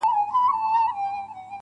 o په داسي خوب ویده دی چي راویښ به نه سي.